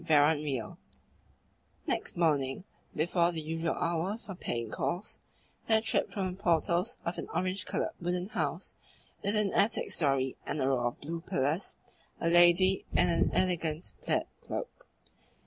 CHAPTER IX Next morning, before the usual hour for paying calls, there tripped from the portals of an orange coloured wooden house with an attic storey and a row of blue pillars a lady in an elegant plaid cloak.